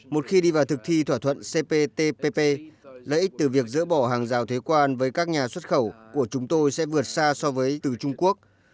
một khi đi vào thực thi thỏa thuận cptpp lợi ích từ việc dỡ bỏ hàng rào thuế quan với các nhà xuất khẩu của chúng tôi sẽ vượt xa so với từ trung quốc